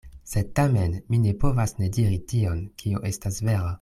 Sed tamen mi ne povas ne diri tion, kio estas vera.